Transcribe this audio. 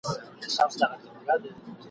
او د شا خورجین یې ټول وه خپل عیبونه !.